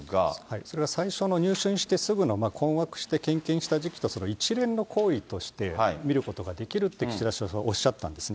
それは最初の入信してすぐの困惑して献金した時期の一連の行為として、見ることができると岸田総理はおっしゃったんですね。